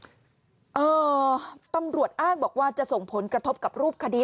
ตำรวจอ้างบอกว่าจะส่งผลกระทบกับรูปคดี